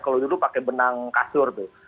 kalau dulu pakai benang kasur tuh